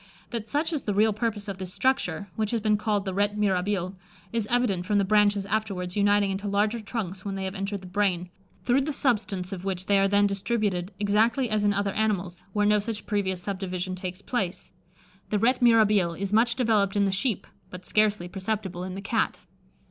That such is the real purpose of this structure, which has been called the rete mirabile, is evident from the branches afterwards uniting into larger trunks when they have entered the brain, through the substance of which they are then distributed exactly as in other animals, where no such previous subdivision takes place. The rete mirabile is much developed in the sheep, but scarcely perceptible in the Cat.